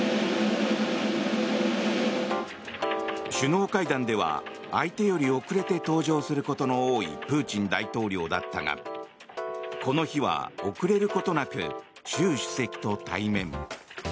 首脳会談では相手より遅れて登場することの多いプーチン大統領だったがこの日は、遅れることなく習主席と対面。